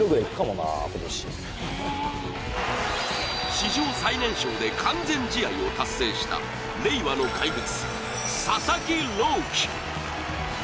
史上最年少で完全試合を達成した令和の怪物、佐々木朗希。